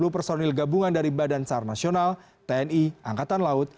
dua puluh personil gabungan dari badan sar nasional tni angkatan laut